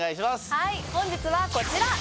はい本日はこちら。